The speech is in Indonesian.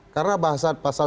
karena bahasa pasal tiga puluh